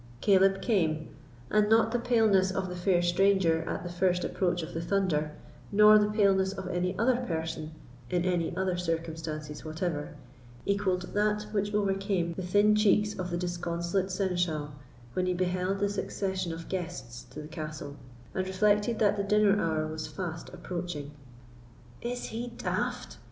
Caleb came; and not the paleness of the fair stranger at the first approach of the thunder, nor the paleness of any other person, in any other circumstances whatever, equalled that which overcame the thin cheeks of the disconsolate seneschal when he beheld this accession of guests to the castle, and reflected that the dinner hour was fast approaching. "Is he daft?"